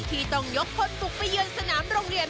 ที่ต้องยกคนบุกไปเยือนสนามโรงเรียน